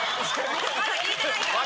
まだ聞いてないから。